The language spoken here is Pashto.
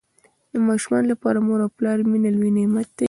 د ماشومانو لپاره د مور او پلار مینه لوی نعمت دی.